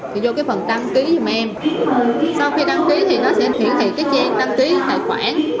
chị vô cái phần đăng ký giùm em sau khi đăng ký thì nó sẽ hiển thị cái trang đăng ký tài khoản